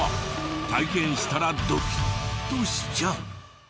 体験したらドキッとしちゃう。